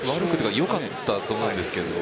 よかったと思うんですけど。